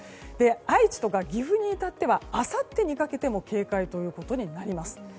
愛知とか岐阜に至ってはあさってにかけても警戒ということになります。